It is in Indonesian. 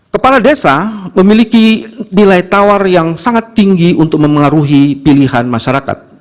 kepala desa memiliki nilai tawar yang sangat tinggi untuk memengaruhi pilihan masyarakat